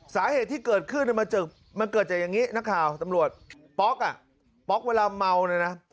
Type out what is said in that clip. สาเหตุที่เกิดขึ้นมันเกิดจากอย่างนี้นักข่าวตำรวจป๊อกอ่ะป๊อกเวลาเมาเนี่ยนะ